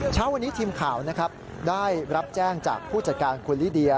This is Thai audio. เช้าวันนี้ทีมข่าวนะครับได้รับแจ้งจากผู้จัดการคุณลิเดีย